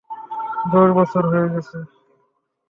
দশ বছর হয়ে গেছে।